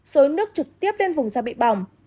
xối nước trực tiếp lên vùng da bị bỏng